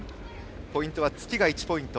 ポイントは突きが１ポイント